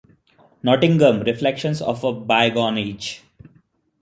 Nottingham: Reflections of a Bygone Age.